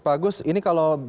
pak agus ini kalau